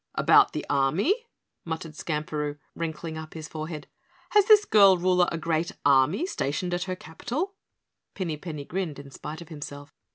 "About the army?" muttered Skamperoo, wrinkling up his forehead. "Has this girl ruler a great army stationed at her capital?" Pinny Penny grinned in spite of himself.